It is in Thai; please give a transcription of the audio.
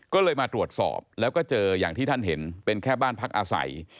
ก็เลยมาตรวจสอบแล้วก็เจออย่างที่ท่านเห็นเป็นแค่บ้านพักอาศัย